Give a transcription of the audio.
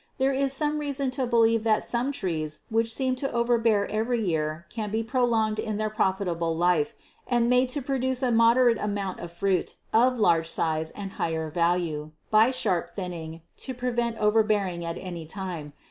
There is some reason to believe that some trees which seem to overbear every year can be prolonged in their profitable life and made to produce a moderate amount of fruit of large size and higher value by sharp thinning to prevent overbearing at any time.